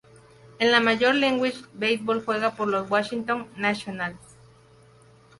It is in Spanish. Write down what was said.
En la Major League Baseball juega para los Washington Nationals.